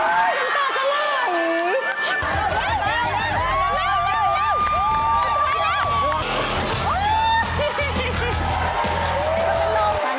มันตอบกันเลย